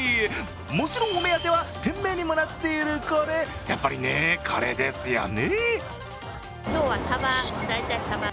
もちろんお目当ては店名にもなっているこれ、やっぱりね、これですよね。